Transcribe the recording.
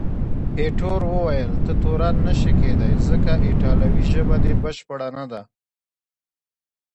ایټور وویل، ته تورن نه شې کېدای، ځکه ایټالوي ژبه دې بشپړه نه ده.